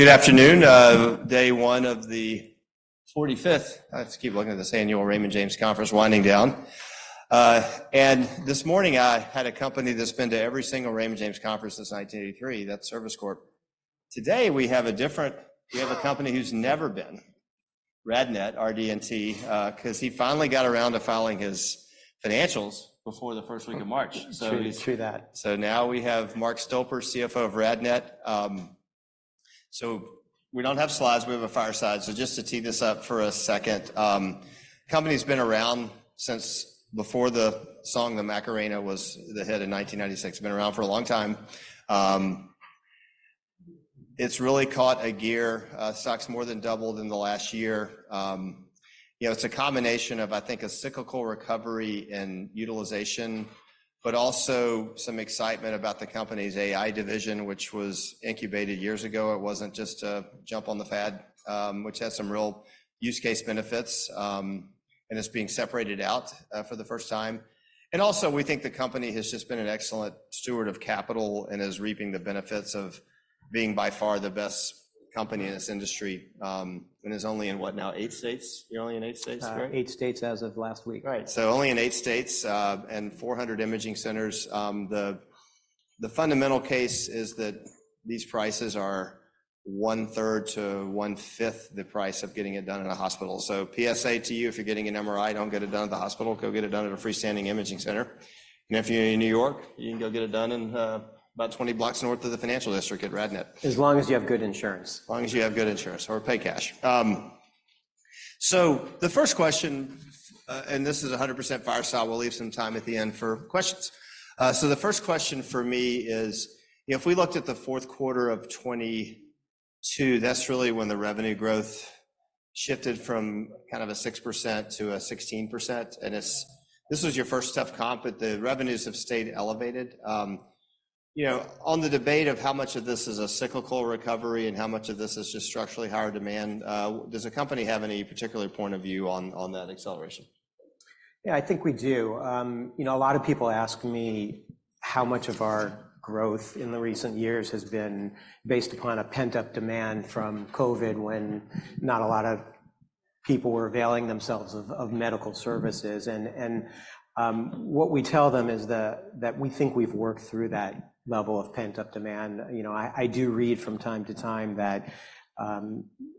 Good afternoon. Day one of the 45th, I have to keep looking at this, Annual Raymond James Conference winding down. And this morning, I had a company that's been to every single Raymond James Conference since 1983, that's Service Corp. Today, we have a different, we have a company who's never been, RadNet, RDNT, 'cause he finally got around to filing his financials before the first week of March. So- True, true that. So now we have Mark Stolper, CFO of RadNet. So we don't have slides; we have a fireside. So just to tee this up for a second, company's been around since before the song the Macarena was the hit in 1996. Been around for a long time. It's really caught a gear. Stock's more than doubled in the last year. You know, it's a combination of, I think, a cyclical recovery and utilization, but also some excitement about the company's AI division, which was incubated years ago. It wasn't just a jump on the fad, which has some real use case benefits, and it's being separated out, for the first time. Also, we think the company has just been an excellent steward of capital and is reaping the benefits of being, by far, the best company in this industry, and is only in, what now? Eight states. You're only in eight states, correct? 8 states as of last week. Right. So only in eight states, and 400 imaging centers. The fundamental case is that these prices are one-third to one-fifth the price of getting it done in a hospital. So PSA to you, if you're getting an MRI, don't get it done at the hospital. Go get it done at a freestanding imaging center. And if you're in New York, you can go get it done in about 20 blocks north of the financial district at RadNet. As long as you have good insurance. As long as you have good insurance or pay cash. So the first question, and this is 100% fireside, we'll leave some time at the end for questions. So the first question for me is, you know, if we looked at the Q4 of 2022, that's really when the revenue growth shifted from kind of a 6% to a 16%, and it's, this was your first tough comp, but the revenues have stayed elevated. You know, on the debate of how much of this is a cyclical recovery and how much of this is just structurally higher demand, does the company have any particular point of view on, on that acceleration? Yeah, I think we do. You know, a lot of people ask me how much of our growth in the recent years has been based upon a pent-up demand from COVID, when not a lot of people were availing themselves of medical services. What we tell them is that we think we've worked through that level of pent-up demand. You know, I do read from time to time that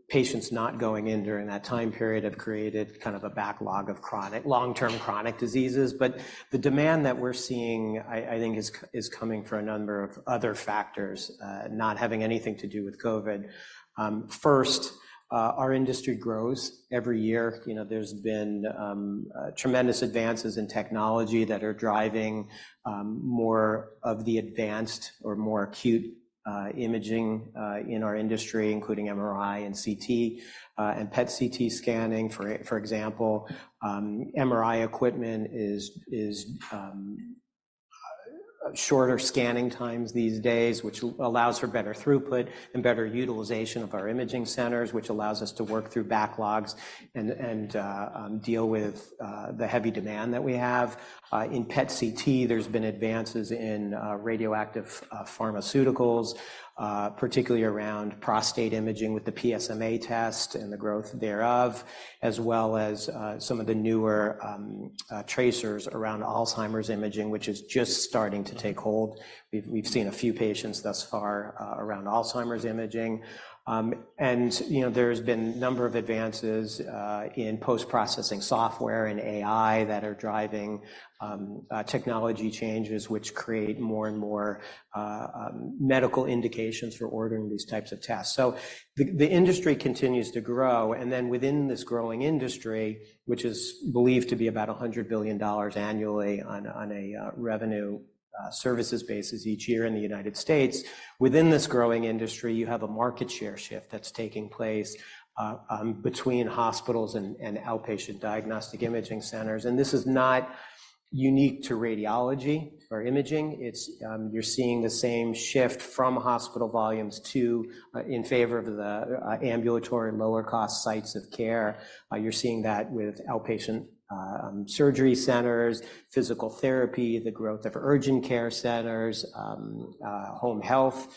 patients not going in during that time period have created kind of a backlog of long-term chronic diseases. But the demand that we're seeing, I think, is coming from a number of other factors, not having anything to do with COVID. First, our industry grows every year. You know, there's been tremendous advances in technology that are driving more of the advanced or more acute imaging in our industry, including MRI and CT, and PET/CT scanning, for example. MRI equipment is shorter scanning times these days, which allows for better throughput and better utilization of our imaging centers, which allows us to work through backlogs and deal with the heavy demand that we have. In PET/CT, there's been advances in radioactive pharmaceuticals, particularly around prostate imaging with the PSMA test and the growth thereof, as well as some of the newer tracers around Alzheimer's imaging, which is just starting to take hold. We've seen a few patients thus far around Alzheimer's imaging. And, you know, there's been a number of advances in post-processing software and AI that are driving technology changes, which create more and more medical indications for ordering these types of tests. So the industry continues to grow, and then within this growing industry, which is believed to be about $100 billion annually on a revenue services basis each year in the United States, within this growing industry, you have a market share shift that's taking place between hospitals and outpatient diagnostic imaging centers. And this is not unique to radiology or imaging. It's you're seeing the same shift from hospital volumes to in favor of the ambulatory, lower-cost sites of care. You're seeing that with outpatient surgery centers, physical therapy, the growth of urgent care centers, home health,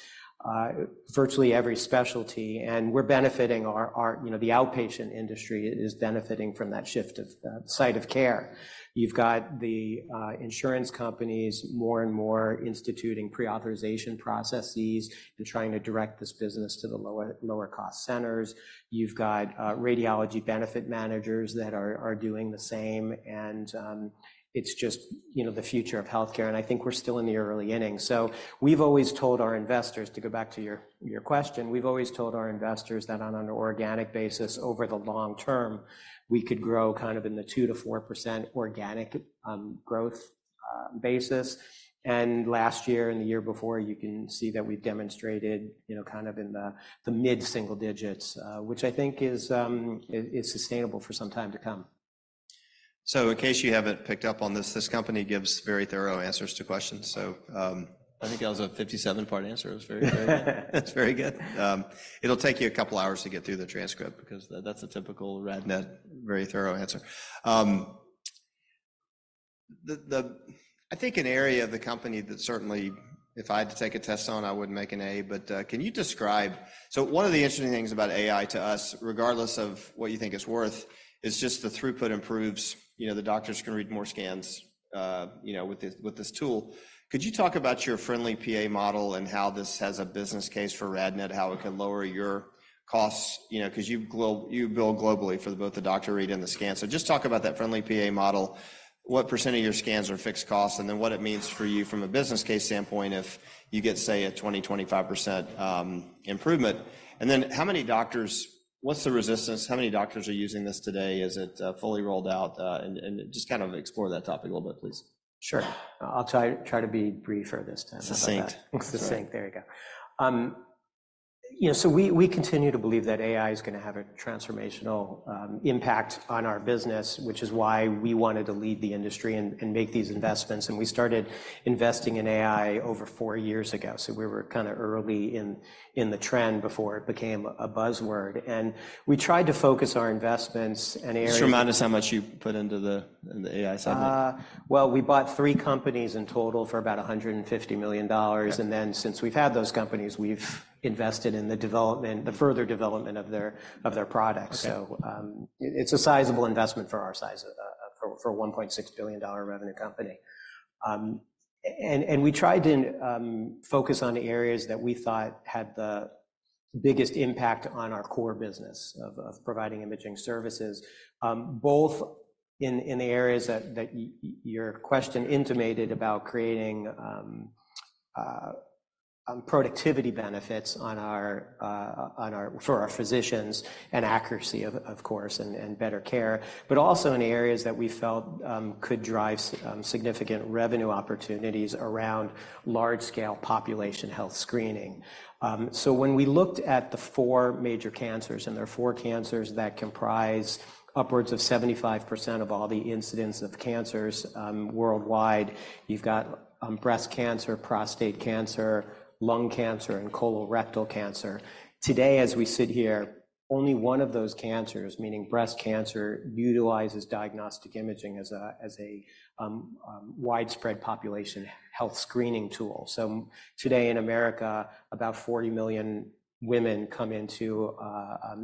virtually every specialty, and we're benefiting our, our-- You know, the outpatient industry is benefiting from that shift of site of care. You've got the insurance companies more and more instituting pre-authorization processes and trying to direct this business to the lower, lower-cost centers. You've got radiology benefit managers that are doing the same, and it's just, you know, the future of healthcare, and I think we're still in the early innings. So we've always told our investors, to go back to your question, we've always told our investors that on an organic basis, over the long term, we could grow kind of in the 2%-4% organic growth basis. Last year and the year before, you can see that we've demonstrated, you know, kind of in the mid-single digits, which I think is sustainable for some time to come. So in case you haven't picked up on this, this company gives very thorough answers to questions. So, I think that was a 57-part answer. It was very, very- That's very good. It'll take you a couple of hours to get through the transcript because that's a typical RadNet, very thorough answer. I think an area of the company that certainly, if I had to take a test on, I wouldn't make an A, but, can you describe? So one of the interesting things about AI to us, regardless of what you think it's worth, is just the throughput improves. You know, the doctors can read more scans, you know, with this, with this tool. Could you talk about your Friendly PA model and how this has a business case for RadNet, how it can lower your costs? You know, 'cause you bill globally for both the doctor read and the scan. So just talk about that Friendly PA model, what % of your scans are fixed costs, and then what it means for you from a business case standpoint if you get, say, a 20%-25% improvement. And then how many doctors-- What's the resistance? How many doctors are using this today? Is it fully rolled out? And just kind of explore that topic a little bit, please. Sure. I'll try to be briefer this time. Succinct. Succinct, there we go. You know, so we continue to believe that AI is gonna have a transformational impact on our business, which is why we wanted to lead the industry and make these investments, and we started investing in AI over four years ago. So we were kinda early in the trend before it became a buzzword. And we tried to focus our investments and areas- Just remind us how much you put into the AI segment? Well, we bought three companies in total for about $150 million. Okay. And then, since we've had those companies, we've invested in the development, the further development of their, of their products. Okay. So, it's a sizable investment for our size, for a $1.6 billion revenue company. And we tried to focus on the areas that we thought had the biggest impact on our core business of providing imaging services, both in the areas that your question intimated about creating productivity benefits for our physicians, and accuracy, of course, and better care, but also in the areas that we felt could drive significant revenue opportunities around large-scale population health screening. So when we looked at the four major cancers, and there are four cancers that comprise upwards of 75% of all the incidents of cancers worldwide. You've got breast cancer, prostate cancer, lung cancer, and colorectal cancer. Today, as we sit here, only one of those cancers, meaning breast cancer, utilizes diagnostic imaging as a widespread population health screening tool. So today in America, about 40 million women come into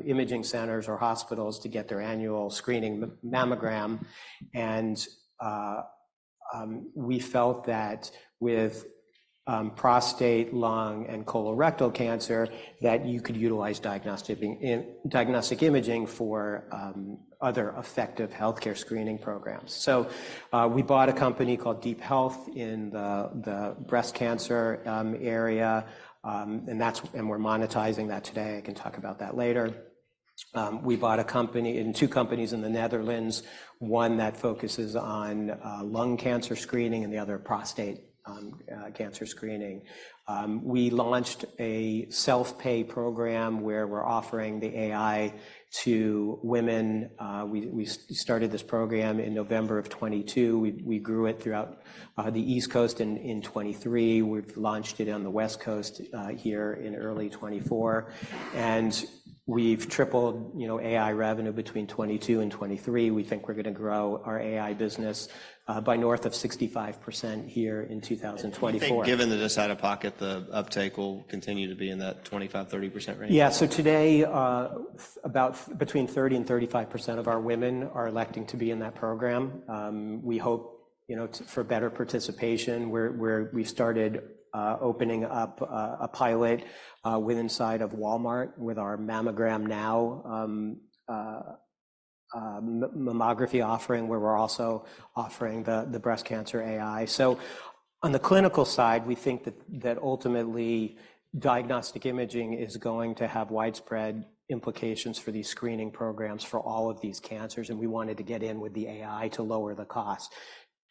imaging centers or hospitals to get their annual screening mammogram, and we felt that with prostate, lung, and colorectal cancer, that you could utilize diagnostic imaging for other effective healthcare screening programs. So, we bought a company called DeepHealth in the breast cancer area, and that's and we're monetizing that today. I can talk about that later. We bought a company, and two companies in the Netherlands, one that focuses on lung cancer screening and the other, prostate cancer screening. We launched a self-pay program where we're offering the AI to women. We started this program in November of 2022. We grew it throughout the East Coast in 2023. We've launched it on the West Coast here in early 2024, and we've tripled, you know, AI revenue between 2022 and 2023. We think we're gonna grow our AI business by north of 65% here in 2024. Do you think, given the high out-of-pocket, the uptake will continue to be in that 25%-30% range? Yeah. So today, about between 30% and 35% of our women are electing to be in that program. We hope, you know, for better participation, we're we started opening up a pilot within inside of Walmart with our MammogramNow, mammography offering, where we're also offering the breast cancer AI. So on the clinical side, we think that ultimately, diagnostic imaging is going to have widespread implications for these screening programs for all of these cancers, and we wanted to get in with the AI to lower the cost.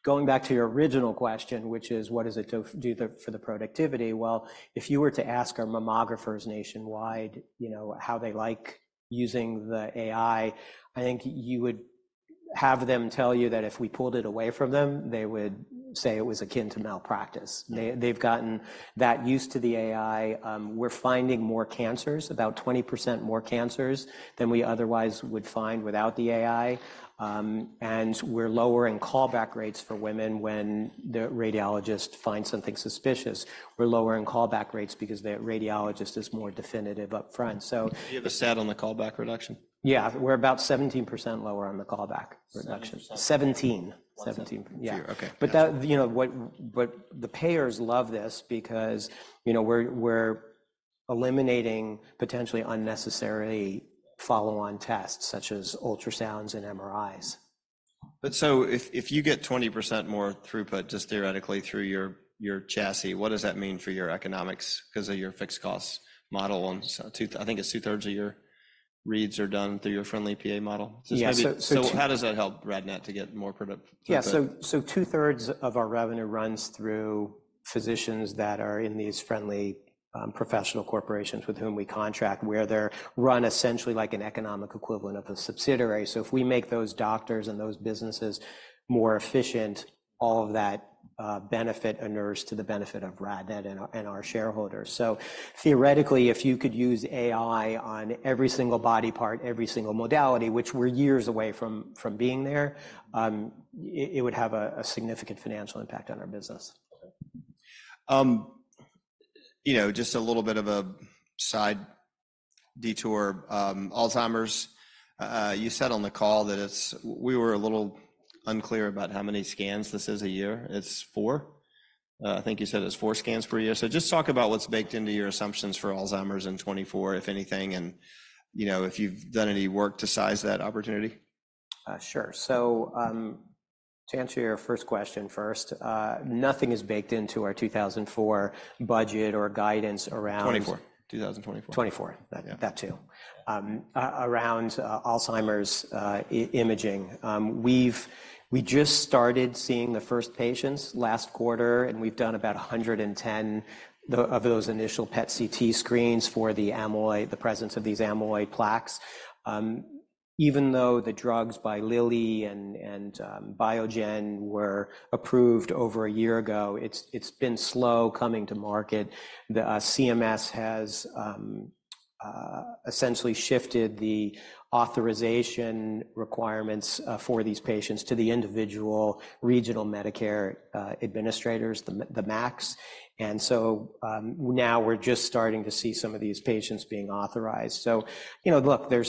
Going back to your original question, which is, what does it do for the productivity? Well, if you were to ask our mammographers nationwide, you know, how they like using the AI, I think you would have them tell you that if we pulled it away from them, they would say it was akin to malpractice. Yeah. They've gotten that used to the AI. We're finding more cancers, about 20% more cancers than we otherwise would find without the AI, and we're lowering callback rates for women when the radiologist finds something suspicious. We're lowering callback rates because the radiologist is more definitive upfront. So- Do you have a stat on the callback reduction? Yeah, we're about 17% lower on the callback reduction. Seven percent. Seventeen. Seventeen. Yeah. Okay. But the payers love this because, you know, we're, we're eliminating potentially unnecessary follow-on tests, such as ultrasounds and MRIs. But so if you get 20% more throughput, just theoretically through your chassis, what does that mean for your economics? 'Cause of your fixed costs model, so I think it's two-thirds of your reads are done through your Friendly PA model. Yeah, so, So how does that help RadNet to get more product throughput? Yeah, so two-thirds of our revenue runs through physicians that are in these friendly professional corporations with whom we contract, where they're run essentially like an economic equivalent of a subsidiary. So if we make those doctors and those businesses more efficient, all of that benefit inures to the benefit of RadNet and our shareholders. So theoretically, if you could use AI on every single body part, every single modality, which we're years away from being there, it would have a significant financial impact on our business. Okay. You know, just a little bit of a side detour. Alzheimer's, you said on the call that we were a little unclear about how many scans this is a year. It's four? I think you said it's four scans per year. So just talk about what's baked into your assumptions for Alzheimer's in 2024, if anything, and, you know, if you've done any work to size that opportunity. Sure. So, to answer your first question first, nothing is baked into our 2004 budget or guidance around- 2024. Two thousand and twenty-four. Twenty-four. Yeah. That, too. Around Alzheimer's imaging. We've just started seeing the first patients last quarter, and we've done about 110 of those initial PET/CT screens for the amyloid, the presence of these amyloid plaques. Even though the drugs by Lilly and Biogen were approved over a year ago, it's been slow coming to market. The CMS has essentially shifted the authorization requirements for these patients to the individual regional Medicare administrators, the MACs, and so now we're just starting to see some of these patients being authorized. So, you know, look, the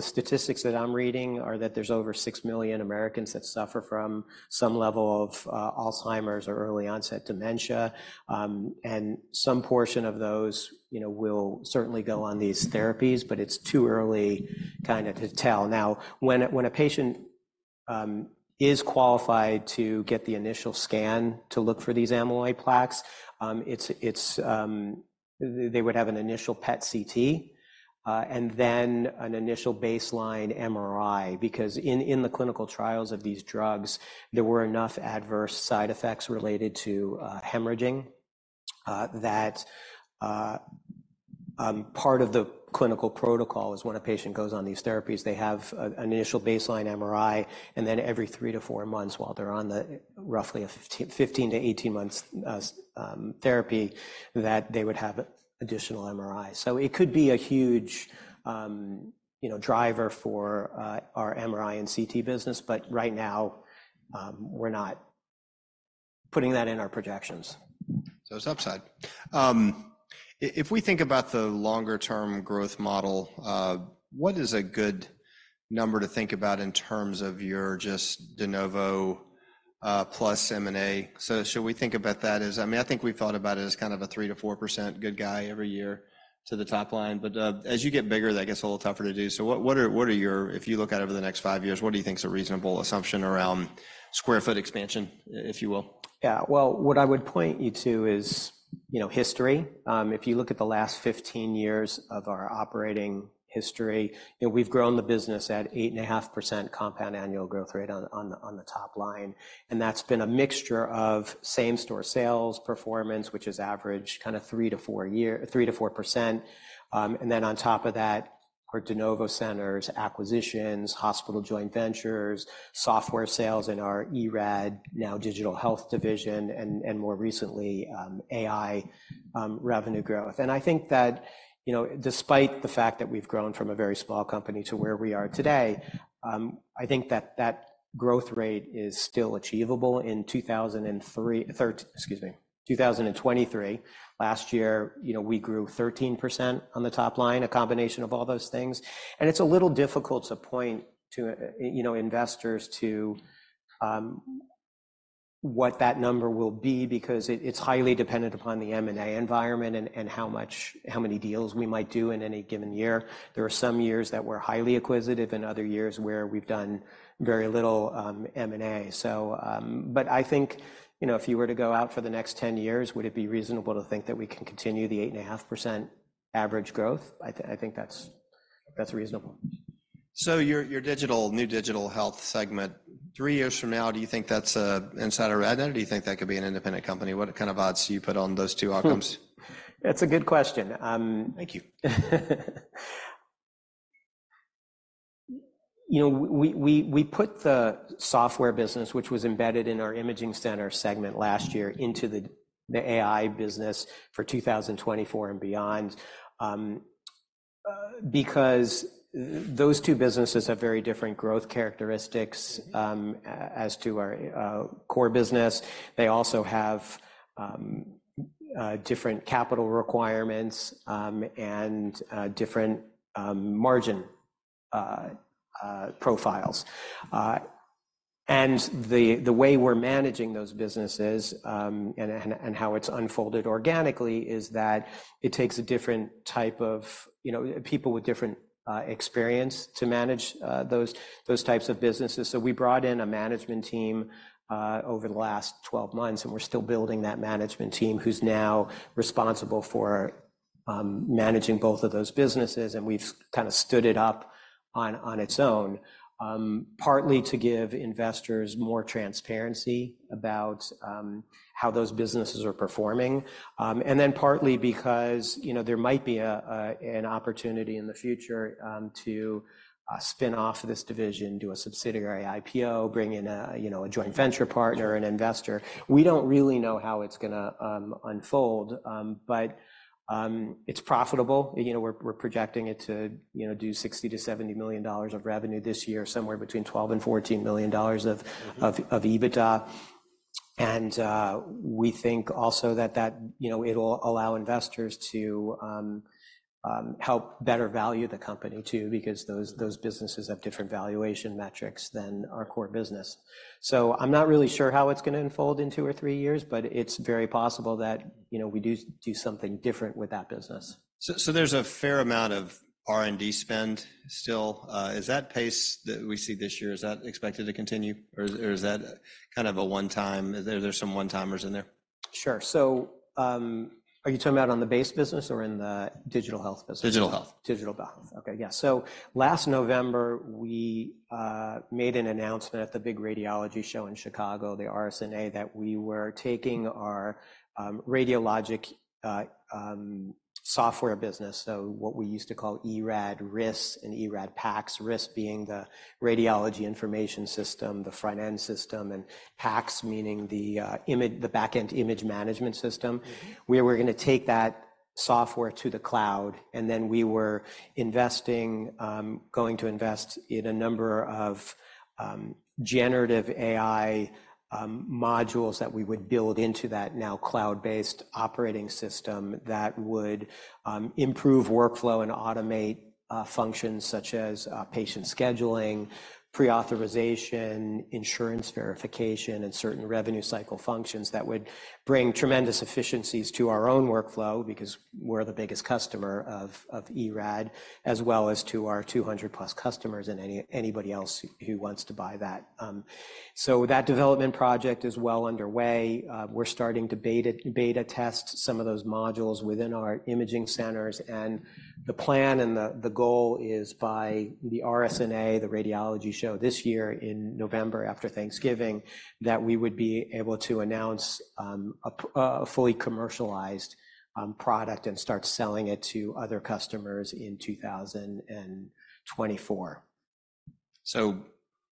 statistics that I'm reading are that there's over 6 million Americans that suffer from some level of Alzheimer's or early-onset dementia. And some portion of those, you know, will certainly go on these therapies, but it's too early kind of to tell. Now, when a patient is qualified to get the initial scan to look for these amyloid plaques, it's... They would have an initial PET/CT, and then an initial baseline MRI, because in the clinical trials of these drugs, there were enough adverse side effects related to hemorrhaging, that part of the clinical protocol is when a patient goes on these therapies, they have an initial baseline MRI, and then every 3-4 months, while they're on the roughly 15-18 months therapy, that they would have an additional MRI. So it could be a huge, you know, driver for our MRI and CT business, but right now, we're not putting that in our projections. So it's upside. If we think about the longer-term growth model, what is a good number to think about in terms of your just de novo plus M&A? So should we think about that as... I mean, I think we've thought about it as kind of a 3%-4% good guy every year to the top line, but as you get bigger, that gets a little tougher to do. So what are your—if you look out over the next five years, what do you think is a reasonable assumption around square foot expansion, if you will? Yeah. Well, what I would point you to is, you know, history. If you look at the last 15 years of our operating history, you know, we've grown the business at 8.5% compound annual growth rate on the top line, and that's been a mixture of same-store sales performance, which is average, kind of 3%-4%. And then on top of that, our de novo centers, acquisitions, hospital joint ventures, software sales in our eRAD, now digital health division, and more recently, AI revenue growth. And I think that, you know, despite the fact that we've grown from a very small company to where we are today, I think that that growth rate is still achievable in 2023. Last year, you know, we grew 13% on the top line, a combination of all those things. It's a little difficult to point to, you know, investors to what that number will be because it's highly dependent upon the M&A environment and how many deals we might do in any given year. There are some years that we're highly acquisitive and other years where we've done very little M&A. But I think, you know, if you were to go out for the next 10 years, would it be reasonable to think that we can continue the 8.5% average growth? I think that's reasonable. So your new digital health segment, three years from now, do you think that's inside of RadNet, or do you think that could be an independent company? What kind of odds do you put on those two outcomes? That's a good question. Thank you. You know, we put the software business, which was embedded in our imaging center segment last year, into the AI business for 2024 and beyond, because those two businesses have very different growth characteristics- Mm-hmm... as to our core business. They also have different capital requirements, and different margin profiles. And the way we're managing those businesses, and how it's unfolded organically, is that it takes a different type of, you know, people with different experience to manage those types of businesses. So we brought in a management team over the last 12 months, and we're still building that management team, who's now responsible for managing both of those businesses. We've kind of stood it up on its own, partly to give investors more transparency about how those businesses are performing, and then partly because, you know, there might be an opportunity in the future to spin off this division, do a subsidiary IPO, bring in a joint venture partner, an investor. We don't really know how it's gonna unfold, but it's profitable. You know, we're projecting it to do $60-$70 million of revenue this year, somewhere between $12-$14 million of EBITDA, and we think also that, you know, it'll allow investors to help better value the company too, because those businesses have different valuation metrics than our core business. I'm not really sure how it's gonna unfold in two or three years, but it's very possible that, you know, we do do something different with that business. There's a fair amount of R&D spend still. Is that pace that we see this year expected to continue, or is that kind of a one-timer? Are there some one-timers in there? Sure. So, are you talking about on the base business or in the digital health business? Digital health. Digital health. Okay, yeah. So last November, we made an announcement at the big radiology show in Chicago, the RSNA, that we were taking our radiologic software business, so what we used to call eRAD RIS and eRAD PACS. RIS being the radiology information system, the front-end system, and PACS meaning the image- the back-end image management system. We were gonna take that software to the cloud, and then we were investing, going to invest in a number of generative AI modules that we would build into that now cloud-based operating system, that would improve workflow and automate functions such as patient scheduling, pre-authorization, insurance verification, and certain revenue cycle functions that would bring tremendous efficiencies to our own workflow because we're the biggest customer of eRAD, as well as to our 200+ customers and anybody else who wants to buy that. So that development project is well underway. We're starting to beta test some of those modules within our imaging centers, and the plan and the goal is by the RSNA, the radiology show this year in November after Thanksgiving, that we would be able to announce a fully commercialized product and start selling it to other customers in 2024. So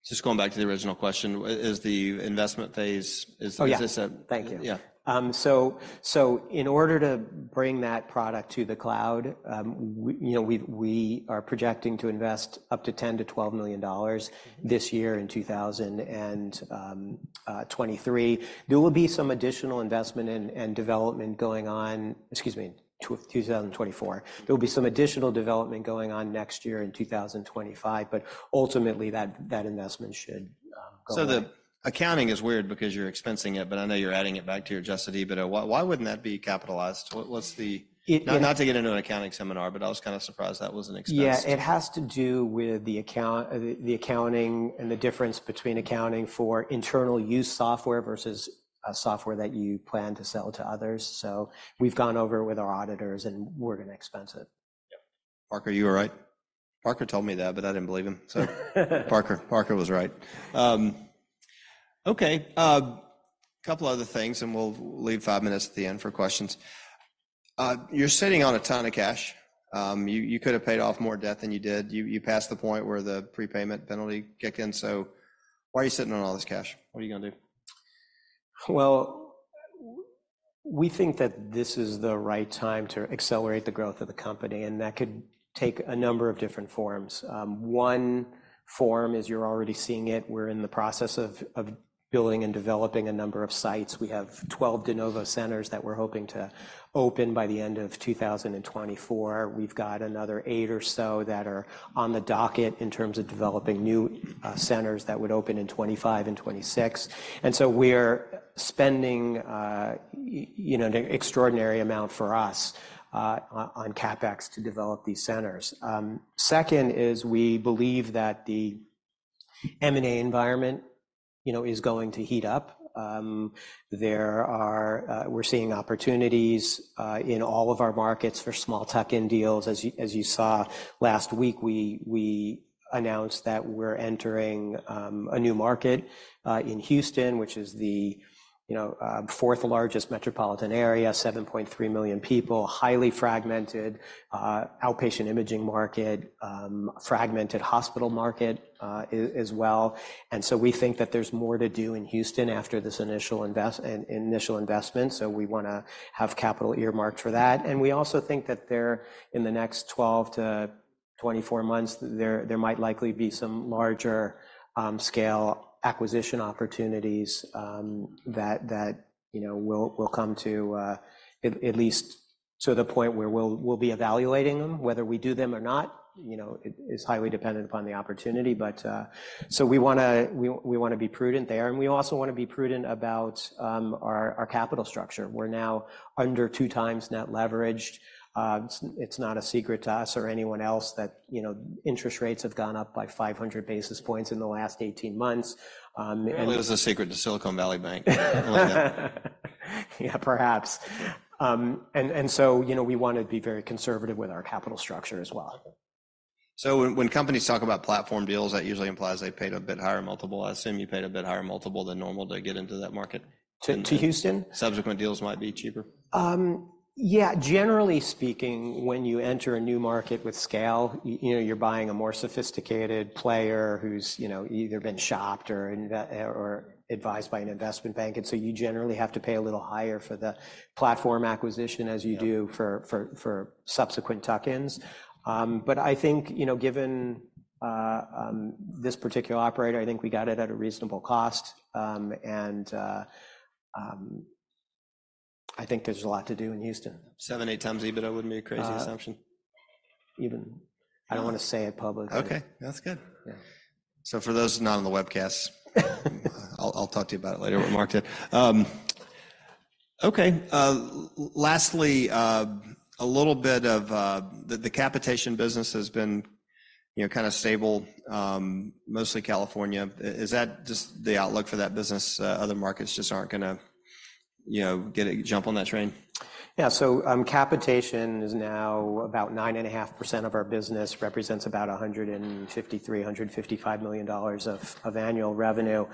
just going back to the original question, is the investment phase, is- Oh, yeah. Is this a- Thank you. Yeah. So, in order to bring that product to the cloud, you know, we are projecting to invest up to $10-$12 million this year in 2023. There will be some additional investment and development going on. Excuse me, 2024. There will be some additional development going on next year in 2025, but ultimately, that investment should go away. So the accounting is weird because you're expensing it, but I know you're adding it back to your adjusted EBITDA. Why, why wouldn't that be capitalized? What, what's the- It, it- Not to get into an accounting seminar, but I was kinda surprised that was an expense. Yeah, it has to do with the accounting and the difference between accounting for internal use software versus a software that you plan to sell to others. So we've gone over it with our auditors, and we're gonna expense it. Yeah. Parker, you were right. Parker told me that, but I didn't believe him, so Parker was right. Okay, couple other things, and we'll leave five minutes at the end for questions. You're sitting on a ton of cash. You could have paid off more debt than you did. You passed the point where the prepayment penalty kicked in, so why are you sitting on all this cash? What are you gonna do? Well, we think that this is the right time to accelerate the growth of the company, and that could take a number of different forms. One form is, you're already seeing it, we're in the process of building and developing a number of sites. We have 12 de novo centers that we're hoping to open by the end of 2024. We've got another 8 or so that are on the docket in terms of developing new centers that would open in 2025 and 2026. And so we're spending you know, an extraordinary amount for us on CapEx to develop these centers. Second is we believe that the M&A environment you know, is going to heat up. There are... We're seeing opportunities in all of our markets for small tuck-in deals. As you saw last week, we announced that we're entering a new market in Houston, which is the, you know, fourth-largest metropolitan area, 7.3 million people, highly fragmented outpatient imaging market, fragmented hospital market as well. So we think that there's more to do in Houston after this initial investment, so we wanna have capital earmarked for that. We also think that there, in the next 12-24 months, there might likely be some larger scale acquisition opportunities that you know we'll come to at least to the point where we'll be evaluating them. Whether we do them or not, you know, it is highly dependent upon the opportunity. But, so we wanna be prudent there, and we also wanna be prudent about our capital structure. We're now under 2 times net leveraged. It's not a secret to us or anyone else that, you know, interest rates have gone up by 500 basis points in the last 18 months, and- It was a secret to Silicon Valley Bank. Yeah, perhaps. So, you know, we wanna be very conservative with our capital structure as well. So when companies talk about platform deals, that usually implies they paid a bit higher multiple. I assume you paid a bit higher multiple than normal to get into that market? To Houston? Subsequent deals might be cheaper. Yeah, generally speaking, when you enter a new market with scale, you know, you're buying a more sophisticated player who's, you know, either been shopped or invested or advised by an investment bank, and so you generally have to pay a little higher for the platform acquisition. Yeah... as you do for subsequent tuck-ins. But I think, you know, given this particular operator, I think we got it at a reasonable cost. And I think there's a lot to do in Houston. 7-8 times EBITDA wouldn't be a crazy assumption? I don't wanna say it publicly. Okay, that's good. Yeah. So for those not on the webcast, I'll talk to you about it later, what Mark did. Okay. Lastly, a little bit of the capitation business has been, you know, kinda stable, mostly California. Is that just the outlook for that business? Other markets just aren't gonna, you know, get a jump on that train? Yeah, so, capitation is now about 9.5% of our business, represents about $153 million-$155 million of annual revenue.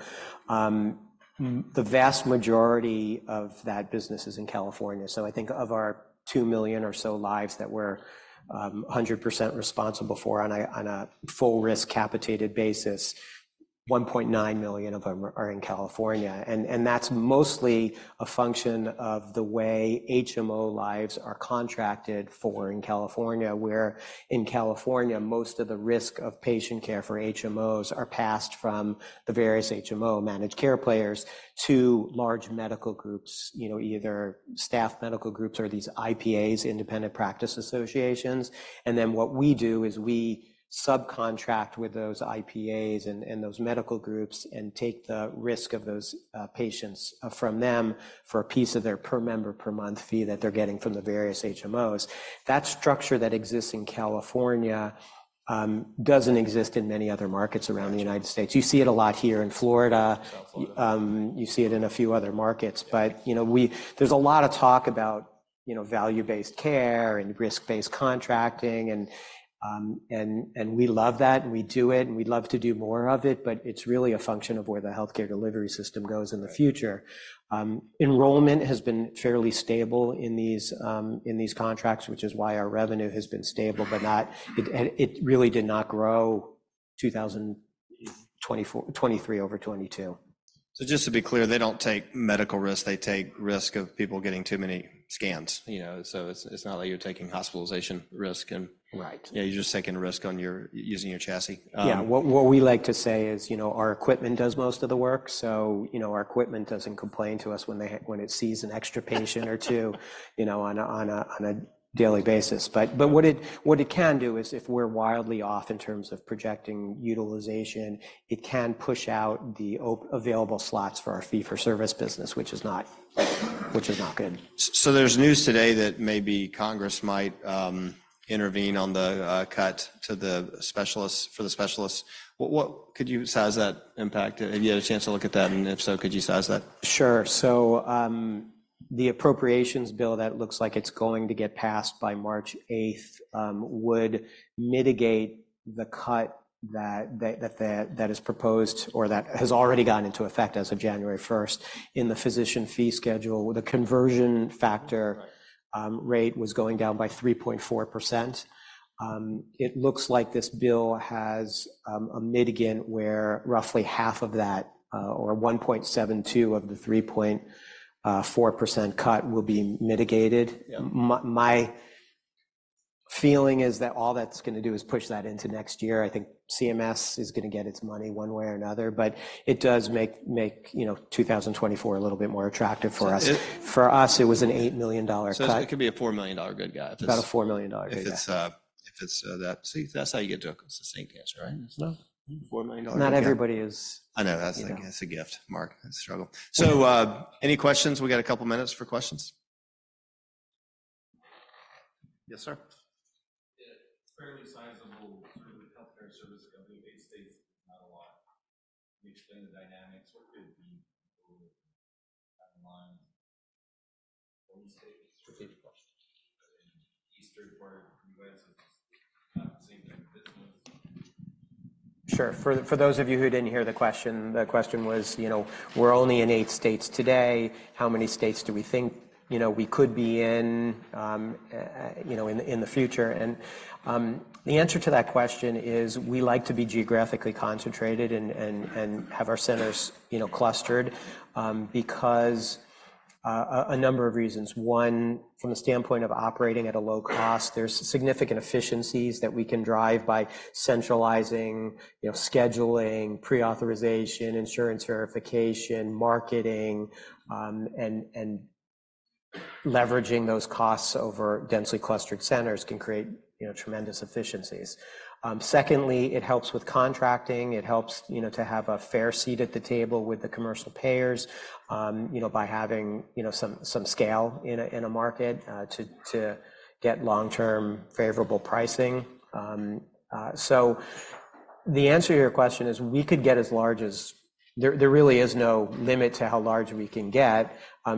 The vast majority of that business is in California. So I think of our 2 million or so lives that we're 100% responsible for on a full risk capitated basis, 1.9 million of them are in California, and that's mostly a function of the way HMO lives are contracted for in California, where in California, most of the risk of patient care for HMOs are passed from the various HMO managed care players to large medical groups, you know, either staff medical groups or these IPAs, independent practice associations. And then, what we do is we subcontract with those IPAs and those medical groups, and take the risk of those patients from them for a piece of their per member per month fee that they're getting from the various HMOs. That structure that exists in California doesn't exist in many other markets around the United States. You see it a lot here in Florida. California. You see it in a few other markets, but, you know, there's a lot of talk about, you know, value-based care and risk-based contracting, and, and we love that, and we do it, and we'd love to do more of it, but it's really a function of where the healthcare delivery system goes in the future. Enrollment has been fairly stable in these contracts, which is why our revenue has been stable, but not it, and it really did not grow 2024... 2023 over 2022. So just to be clear, they don't take medical risk. They take risk of people getting too many scans, you know, so it's not like you're taking hospitalization risk and- Right. Yeah, you're just taking risk on your... using your chassis. Yeah. What we like to say is, you know, our equipment does most of the work, so, you know, our equipment doesn't complain to us when it sees an extra patient or two, you know, on a daily basis. But what it can do is if we're wildly off in terms of projecting utilization, it can push out the available slots for our fee-for-service business, which is not good. So there's news today that maybe Congress might intervene on the cut to the specialists, for the specialists. What could you size that impact? Have you had a chance to look at that, and if so, could you size that? Sure. So, the appropriations bill that looks like it's going to get passed by March 8th would mitigate the cut that is proposed or that has already gone into effect as of January 1st, in the Physician Fee Schedule, where the conversion factor- Right... rate was going down by 3.4%. It looks like this bill has a mitigant where roughly half of that, or 1.72 of the 3.4% cut will be mitigated. Yeah. My feeling is that all that's gonna do is push that into next year. I think CMS is gonna get its money one way or another, but it does make you know, 2024 a little bit more attractive for us. So it- For us, it was an $8 million cut. It could be a $4 million good guy if it's- About a $4 million good guy. If it's that... See, that's how you get to it. It's the same answer, right? $4 million- Not everybody is- I know. You know? That's a gift, Mark. I struggle. So, any questions? We got a couple of minutes for questions. Yes, sir. Yeah, fairly sizable sort of healthcare service company in eight states, not a lot. Can you explain the dynamics or could it be line home state... Repeat the question. Eastern part of the U.S., not the same benefits as- Sure. For those of you who didn't hear the question, the question was, you know, we're only in 8 states today, how many states do we think, you know, we could be in, you know, in the future? And the answer to that question is, we like to be geographically concentrated and have our centers, you know, clustered, because a number of reasons. One, from the standpoint of operating at a low cost, there's significant efficiencies that we can drive by centralizing, you know, scheduling, pre-authorization, insurance verification, marketing, and leveraging those costs over densely clustered centers can create, you know, tremendous efficiencies. Secondly, it helps with contracting. It helps, you know, to have a fair seat at the table with the commercial payers, you know, by having, you know, some scale in a market, to get long-term favorable pricing. So the answer to your question is, we could get as large as... There really is no limit to how large we can get.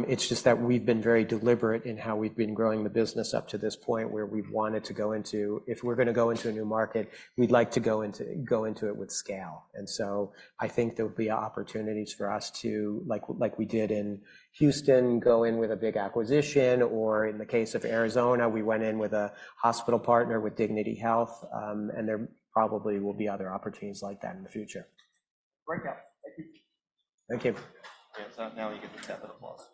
It's just that we've been very deliberate in how we've been growing the business up to this point, where we've wanted to go into. If we're gonna go into a new market, we'd like to go into it with scale. And so I think there will be opportunities for us to, like, like we did in Houston, go in with a big acquisition, or in the case of Arizona, we went in with a hospital partner, with Dignity Health, and there probably will be other opportunities like that in the future. Great job. Thank you. Thank you. Yeah, so now you get a round of applause.